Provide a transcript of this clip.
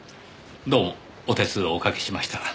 どうもお手数をおかけしました。